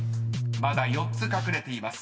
［まだ４つ隠れています。